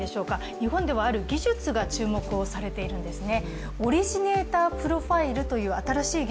日本ではある技術が注目されているんですね。